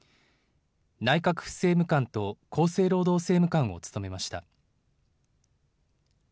内閣府政務官と厚生労働政務官を務めました。